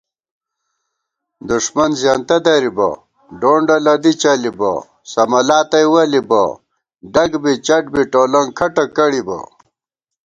دُݭمن زېنتہ درِبہ ڈونڈہ لدی چلِبہ سمَلا تئ وَلِبہ ڈگ بی چٹ بی ٹولَنگ کھٹہ کڑِبہ